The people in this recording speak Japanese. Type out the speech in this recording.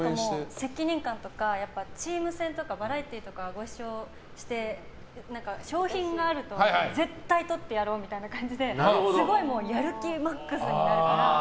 責任感とかチーム戦とかバラエティーとかでご一緒して商品があると絶対取ってやろうみたいな感じですごいやる気マックスみたいな。